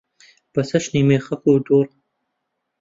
بە چەشنی مێخەک و دوڕ